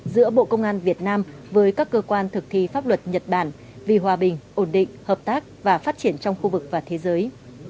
giữa bộ công an việt nam với các cơ quan thực thi pháp luật nhật bản vì hòa bình ổn định hợp tác và phát triển trong khu vực và thế giới